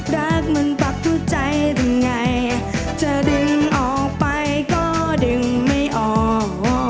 รักมันปักทุกใจหรือไงจะดึงออกไปก็ดึงไม่ออก